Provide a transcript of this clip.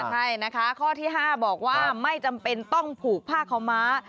ใช่นะคะข้อที่๕บอกว่าไม่จำเป็นต้องผูกผ้าขาวม้า